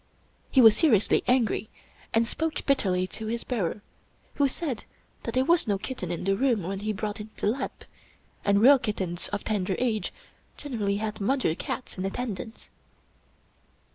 He was seriously angry, and spoke bitterly to his bearer, who said that there was no kitten in the room when he brought in the lamp, and real kittens of tender age generally had mother cats in attendance.